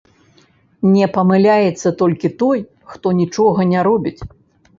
Не памыляецца толькі той, хто нічога не робіць.